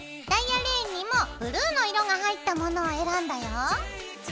ダイヤレーンにもブルーの色が入ったものを選んだよ。